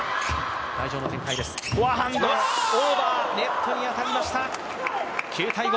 オーバー、ネットに当たりました。